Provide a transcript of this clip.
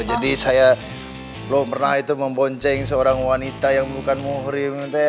jadi saya belum pernah itu membonceng seorang wanita yang bukan muhrim ya teh